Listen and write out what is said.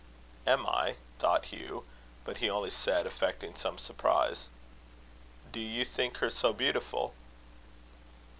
"Am I?" thought Hugh; but he only said, affecting some surprise: "Do you think her so beautiful?"